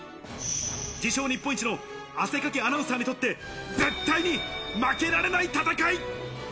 自称日本一の汗かきアナウンサーにとって絶対に負けられない戦い。